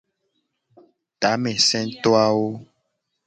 Tameseto awo.